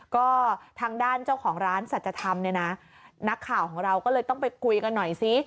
ก็ทางด้านเจ้าของร้านสัจธรรมเนี่ยนะนักข่าวของเราก็เลยต้องไปคุยกันหน่อยซิ